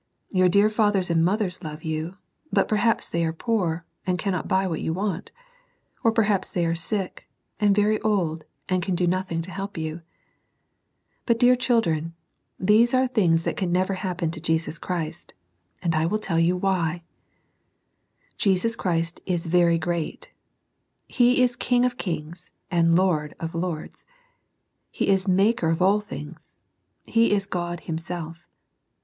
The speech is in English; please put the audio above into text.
Your dear fathers and mothers love you, but perhaps they are poor, and cannot buy what you want ; or perhaps they are sick, and very old, and can do nothing to help you. 114 SERMONS FOR CHILDREN. Buty dear children, these are things that can never happen to Jesus Christ, and I will tell you why. Jesus Christ is very great: He is King of kings, and Lord of lords : He is Maker of all things : He is God Himself.